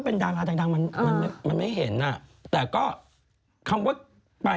ขึ้นพร้อมเก่งเมทัศน์เลยล่ะ